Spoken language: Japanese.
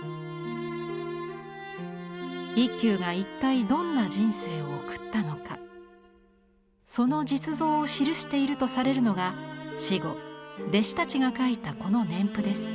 一休が一体どんな人生を送ったのかその実像を記しているとされるのが死後弟子たちが書いたこの年譜です。